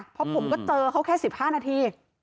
เพราะผมก็เจอเขาแค่๑๕นาที